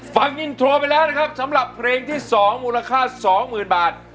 ฟังอินโทรไปแล้วนะครับสำหรับเพลงที่๒มูลค่า๒๐๐๐บาท